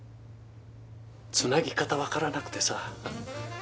つなぎ方分からなくてさ。